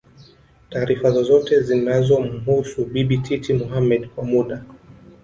taarifa zozote zinazomhusu Bibi Titi Mohamed Kwa muda